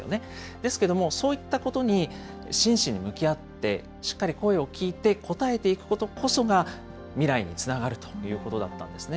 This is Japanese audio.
ですけども、そういったことに真摯に向き合って、しっかり声を聞いて答えていくことこそが、未来につながるということだったんですね。